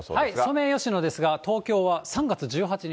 ソメイヨシノですが、東京は３月１８日。